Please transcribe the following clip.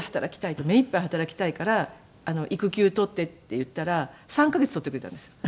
「目いっぱい働きたいから育休取って」って言ったら３カ月取ってくれたんですよ。